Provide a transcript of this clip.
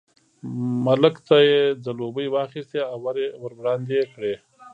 ملک ته یې ځلوبۍ واخیستې او ور یې وړاندې کړې.